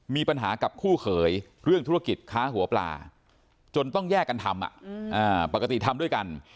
มีปัญหากับคู่เขยเรื่องธุรกิจค้าหัวปลาจนต้องแยกกันทำปกติทำด้วยกัน